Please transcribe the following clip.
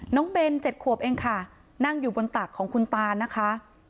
เบน๗ขวบเองค่ะนั่งอยู่บนตักของคุณตานะคะ